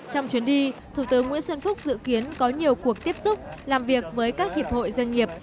trong chuyến đi thủ tướng nguyễn xuân phúc dự kiến có nhiều cuộc tiếp xúc làm việc với các hiệp hội doanh nghiệp